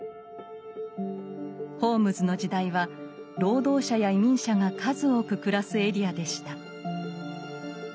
ホームズの時代は労働者や移民者が数多く暮らすエリアでした。